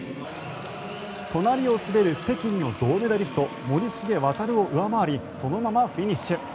隣を滑る北京の銅メダリスト森重航を上回りそのままフィニッシュ。